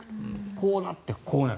こうなって、こうなる。